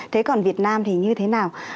thế còn việt nam thì như thế nào